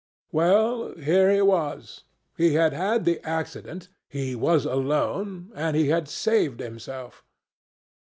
Well, here he was; he had had the accident; he was alone; and he had saved himself.